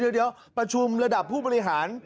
เดี๋ยวประชุมระดับผู้บริหาร